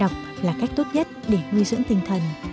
đọc là cách tốt nhất để nguy dưỡng tinh thần